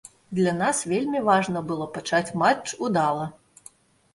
Для нас вельмі важна было пачаць матч удала.